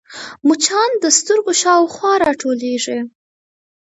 مچان د سترګو شاوخوا راټولېږي